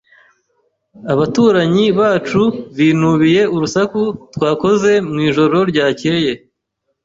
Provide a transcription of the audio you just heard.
Abaturanyi bacu binubiye urusaku twakoze mwijoro ryakeye.